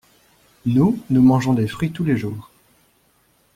Nous, nous mangeons des fruits tous les jours.